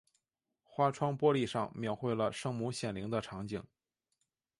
花窗玻璃上描绘了圣母显灵的场景。